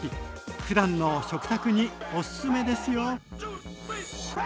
ふだんの食卓におすすめですよ。